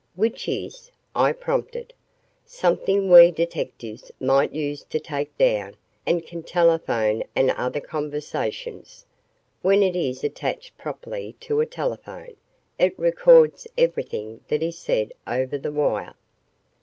"Which is?" I prompted. "Something we detectives might use to take down and 'can' telephone and other conversations. When it is attached properly to a telephone, it records everything that is said over the wire."